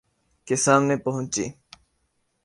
کے سامنے پہنچی